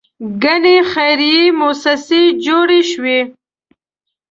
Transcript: ګڼې خیریه موسسې جوړې شوې.